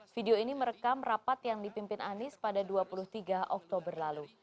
video ini merekam rapat yang dipimpin anies pada dua puluh tiga oktober lalu